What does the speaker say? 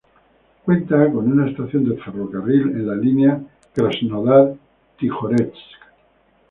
Cuenta con una estación de ferrocarril en la línea Krasnodar-Tijoretsk.